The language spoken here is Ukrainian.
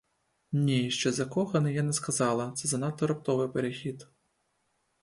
Ні, що закоханий, я не сказала, це занадто раптовий перехід.